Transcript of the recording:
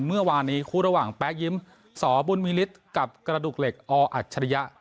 เมื่อวานนี้คู่ระหว่างแป๊ะยิ้มสบุญมีฤทธิ์กับกระดูกเหล็กออัจฉริยะ